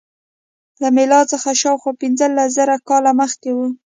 له میلاد څخه شاوخوا پنځلس زره کاله مخکې و.